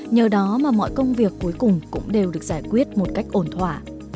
nhờ đó mà mọi công việc cuối cùng cũng đều được giải quyết một cách ổn thỏa